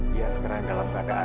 dia sekarang dalam keadaan